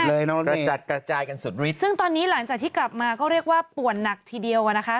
กระจัดกระจายกันสุดฤทธิ์ซึ่งตอนนี้หลังจากที่กลับมาก็เรียกว่าป่วนหนักทีเดียวอ่ะนะคะ